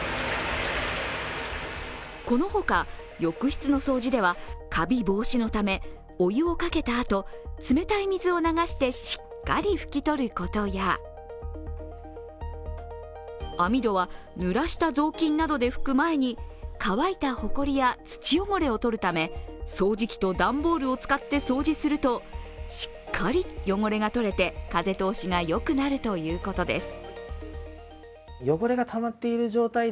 このほか、浴室の掃除ではカビ防止のためお湯をかけたあと、冷たい水を流してしっかり拭き取ることや網戸はぬらしたぞうきんなどで拭く前に乾いたほこりや土汚れを取るため掃除機と段ボールを使って掃除するとしっかり汚れが取れて風通しがよくなるということです。